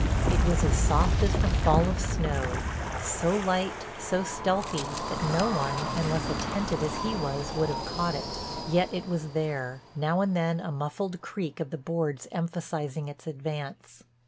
It was as soft as the fall of snow, so light, so stealthy that no one, unless attentive as he was, would have caught it. Yet it was there, now and then a muffled creak of the boards emphasizing its advance.